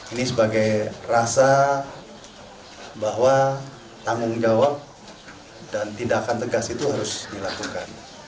ini sebagai rasa bahwa tanggung jawab dan tindakan tegas itu harus dilakukan